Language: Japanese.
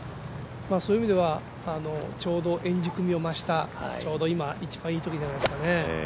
そういう意味では、ちょうど円熟味を増した、一番いいときじゃないですかね。